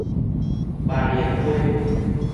萬年溪